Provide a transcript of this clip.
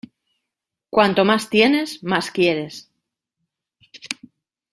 Cuanto más tienes más quieres.